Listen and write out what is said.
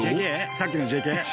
さっきのＪＫ？